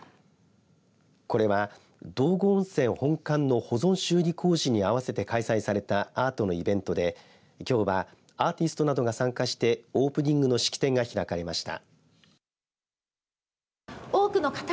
これは道後温泉本館の保存修理工事にあわせて開催されたアートのイベントできょうはアーティストなどが参加して、オープニングの式典が開かれました。